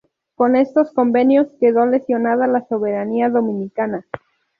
Con estos convenios quedó lesionada la soberanía dominicana.